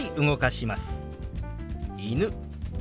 「犬」。